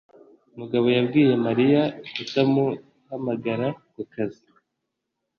Mugabo yabwiye Mariya kutamuhamagara ku kazi.